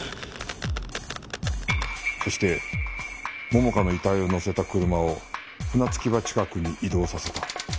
そして桃花の遺体を乗せた車を船着場近くに移動させた。